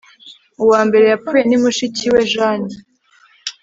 Uwa mbere yapfuye ni mushiki we Jane